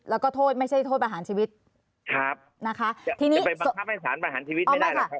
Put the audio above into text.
แล้วก็โทษไม่ใช่โทษประหารชีวิตครับนะคะทีนี้จะไปบังคับให้สารประหารชีวิตไม่ได้หรอกครับ